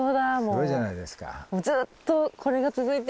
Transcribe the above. すごいじゃないですか。